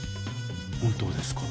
本当ですか？